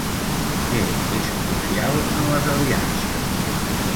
Què és crucial en les aliances?